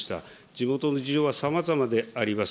地元の事情はさまざまであります。